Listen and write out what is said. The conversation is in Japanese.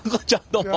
どうも。